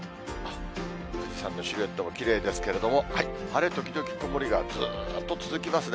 富士山のシルエットもきれいですけれども、晴れ時々曇りがずっと続きますね。